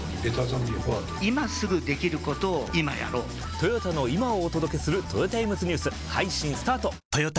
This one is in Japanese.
トヨタの今をお届けするトヨタイムズニュース配信スタート！！！